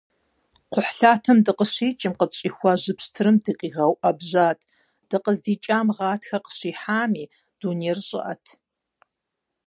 Кхъухьлъатэм дыкъыщикӀым къытщӏихуа жьы пщтырым дыкъигъэуӏэбжьат, дыкъыздикӏам гъатхэ къыщихьами, дунейр щӏыӏэт.